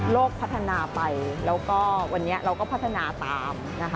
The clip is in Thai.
พัฒนาไปแล้วก็วันนี้เราก็พัฒนาตามนะคะ